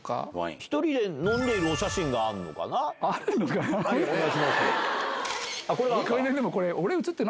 １人で飲んでるお写真があるあるのかな？